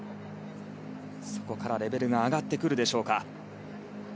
そこからレベルが上がってくるでしょうか。